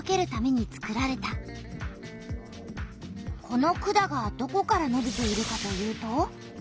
この管がどこからのびているかというと。